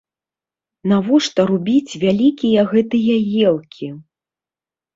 Навошта рубіць вялікія гэтыя елкі.